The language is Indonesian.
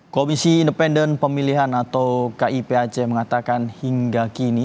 komisi independen pemilihan atau kiphc mengatakan hingga kini